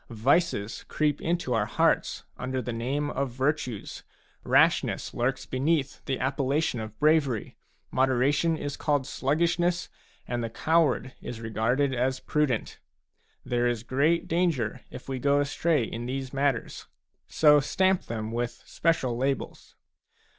Vices creep into our hearts under the name of virtues, rashness lurks beneath the appellation of bravery, moderation is called sluggish ness, and the coward is regarded as prudent ; there is great danger if we go astray in these matters. So stamp them with special labels.